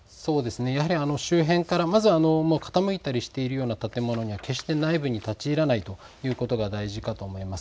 やはり周辺から、傾いたりしているような建物には決して内部に立ち入らないということが大事かと思います。